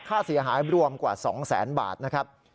ค่าเสียหายรวมกว่า๒แสนบาทนะครับ